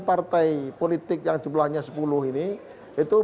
partai politik yang jumlahnya sepuluh ini